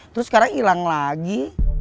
terus sekarang hilang lagi